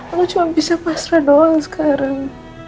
aku cuma bisa pasrah doang sekarang